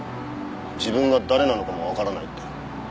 自分が誰なのかもわからないって。